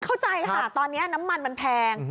เข้าใจค่ะตอนนี้น้ำมันมันแพง